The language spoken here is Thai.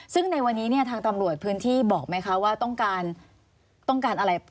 ซึ่งในวันนี้ทางตำรวจพื้นที่บอกไหมคะว่าต้องการอะไร